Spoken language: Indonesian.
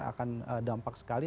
akan dampak sekali